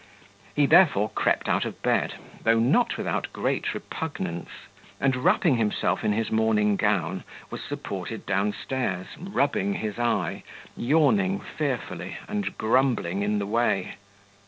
He therefore crept out of bed, though not without great repugnance; and wrapping himself in his morning gown, was supported down stairs, rubbing his eye, yawning fearfully, and grumbling in the way.